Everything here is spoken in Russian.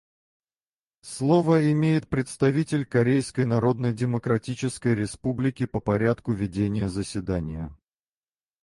Слово имеет представитель Корейской Народно-Демократической Республики по порядку ведения заседания.